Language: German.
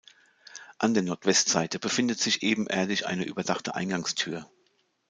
An der Nordwestseite befindet sich ebenerdig eine überdachte Eingangstür.